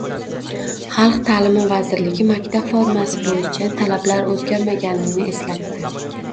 Xalq ta'limi vazirligi maktab formasi bo‘yicha talablar o‘zgarmaganini eslatdi